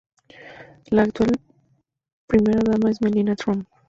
La actual primera dama es Melania Trump.